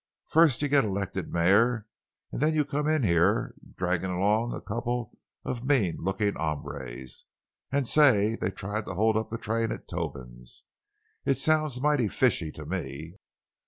First you get elected mayor, an' then you come in here, draggin' along a couple of mean lookin' hombres, an' say they've tried to hold up the train at Toban's. It sounds mighty fishy to me!"